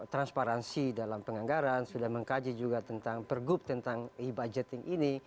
transparansi dalam penganggaran sudah mengkaji juga tentang pergub tentang e budgeting ini